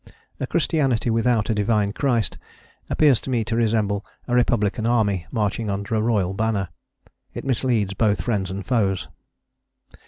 A Christianity without a Divine Christ appears to me to resemble a republican army marching under a royal banner it misleads both friends and foes.